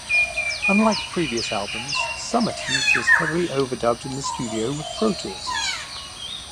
Unlike previous albums, "Summerteeth" was heavily overdubbed in the studio with Pro Tools.